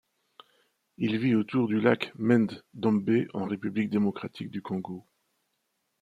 Il vit autour du Lac Mai-Ndombe en République démocratique du Congo.